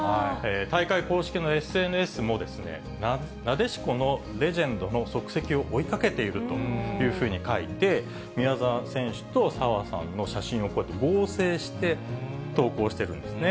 大会公式のＳＮＳも、なでしこのレジェンドの足跡を追いかけているというふうに書いて、宮澤選手と澤さんの写真をこうやって合成して投稿してるんですね。